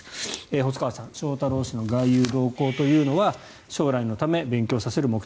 細川さん翔太郎氏の外遊動向というのは将来のため、勉強させる目的。